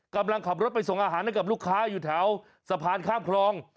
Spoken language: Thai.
กำลังขับรถไปส่งอาหารให้กับลูกค้าอยู่แถวสะพานข้ามคลอง